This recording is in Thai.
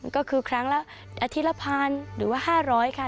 ก็คือครั้งละอาทิตย์ละพันหรือว่า๕๐๐ค่ะ